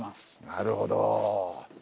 なるほど。